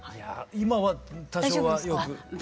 今は多少はよく？